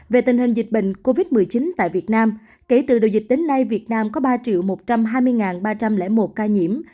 về tình hình dịch bệnh covid một mươi chín tại việt nam kể từ đầu dịch đến nay việt nam có ba một trăm hai mươi ba trăm linh một ca nhiễm